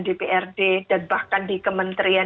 dprd dan bahkan di kementerian